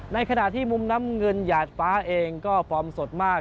ในขณะที่มุมน้ำเงินหยาดฟ้าเองก็ฟอร์มสดมาก